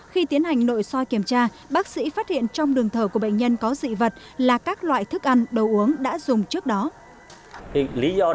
khi tiến hành nội soi kiểm tra bác sĩ phát hiện trong đường thở của bệnh nhân có dị vật là các loại thức ăn đồ uống đã dùng trước đó